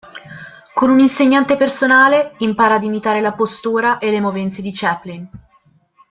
Con un insegnante personale impara ad imitare la postura e le movenze di Chaplin.